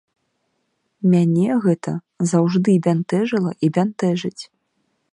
Мяне гэта заўжды бянтэжыла і бянтэжыць.